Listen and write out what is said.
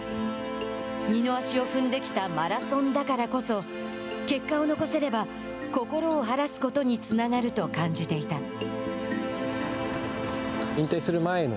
二の足を踏んできたマラソンだからこそ結果を残せれば心を晴らすことにつながると感じていた。